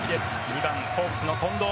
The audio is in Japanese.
２番、ホークスの近藤。